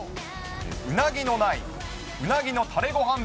うなぎのないうなぎのたれごはん